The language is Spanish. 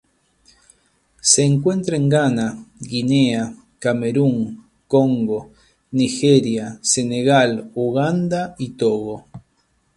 Se encuentra en Ghana Guinea Camerún Congo Nigeria Senegal Uganda y Togo.